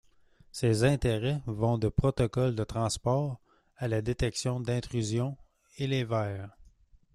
Ses intérêts vont de protocoles de transport à la détection d'intrusion et les vers.